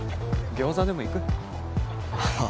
餃子でも行く？ああ。